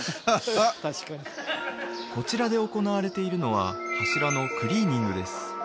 こちらで行われているのは柱のクリーニングです